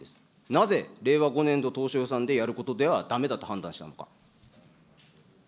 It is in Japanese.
なぜ令和５年度当初予算でやることではだめだと判断したのか。